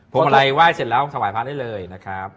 พรหมลัยว่ายเสร็จแล้วสวายภาคได้เลยครับ